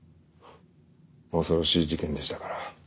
恐ろしい事件でしたから。